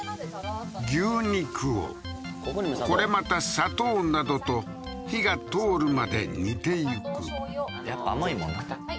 牛肉をこれまた砂糖などと火が通るまで煮ていくやっぱ甘いもんな